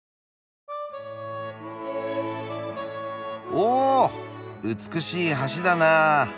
お美しい橋だなあ。